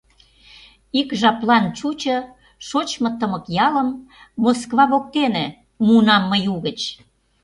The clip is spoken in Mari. Ик жаплан чучо: шочмо тымык ялым Москва воктене муынам мый угыч.